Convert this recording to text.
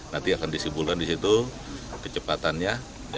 nanti akan disimpulkan di situ kecepatannya